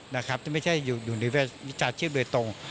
ไม่ใช่อยู่ในวิชาชีพโดยตรง